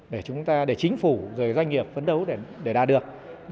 để chính phủ doanh nghiệp phân đấu để đạt được